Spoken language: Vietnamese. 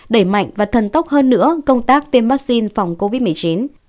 đẩy mạnh và thần tốc hơn nữa công tác tiêm vaccine phòng covid một mươi chín